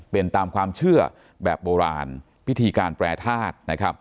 เป็นตามความเชื่อแบบโบราณพิธีการแปรทาสนะครับ